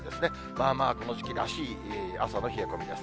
まあまあこの時期らしい、朝の冷え込みです。